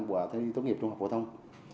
quả thi tốt nghiệp trung học bổ thông